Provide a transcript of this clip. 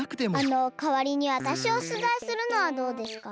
あのかわりにわたしをしゅざいするのはどうですか？